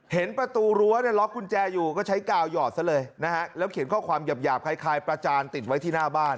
เห็นประตูรั้วเนี่ยล็อกกุญแจอยู่ก็ใช้กาวหยอดซะเลยนะฮะแล้วเขียนข้อความหยาบคล้ายประจานติดไว้ที่หน้าบ้าน